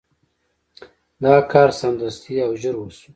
دا کار سمدستي او ژر وشو.